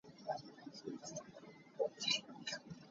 Na fale na daithlanh hna lai lo.